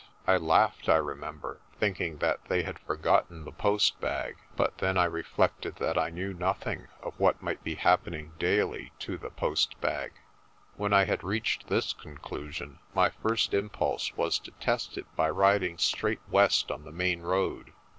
I laughed, I remember, thinking that they had forgotten the post bag. But then I reflected that I knew nothing of what might be happening daily to the post bag. When I had reached this conclusion, my first impulse was to test it by riding straight west on the main road.